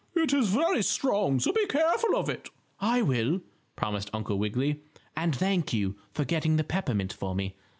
"It is very strong. So be careful of it." "I will," promised Uncle Wiggily. "And thank you for getting the peppermint for me.